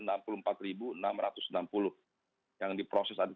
dan yang di proses ada